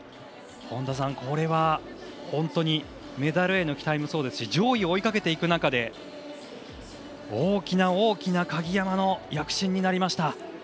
本田さん、これは本当にメダルへの期待もそうですし上位を追いかけていく中で大きな大きな鍵山の躍進になりました。